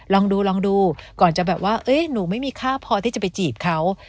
ลองดูลองดูก่อนจะแบบว่าหนูไม่มีค่าพอที่จะไปจีบเขา